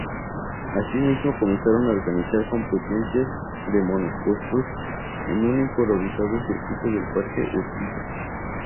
Asimismo, comenzaron a organizar competencias de monopostos en un improvisado circuito del Parque Urquiza.